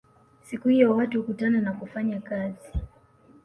Siku hiyo watu hukutana na kufanya kazi